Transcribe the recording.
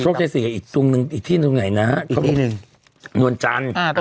โชคชัยสี่อีกที่หนึ่งไหนนะอีกที่หนึ่งนวลจันทร์